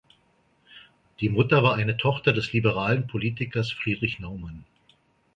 Die Mutter war eine Tochter des liberalen Politikers Friedrich Naumann.